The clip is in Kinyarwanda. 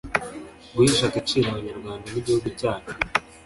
guhesha agaciro abanyarwanda n’igihugu cyacu